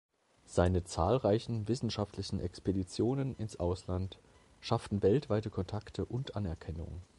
Seine zahlreichen wissenschaftlichen Expeditionen ins Ausland schafften weltweite Kontakte und Anerkennung.